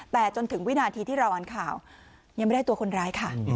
แต่จนถึงวินาทีที่เราอ่านข่าวยังไม่ได้ตัวคนร้ายค่ะ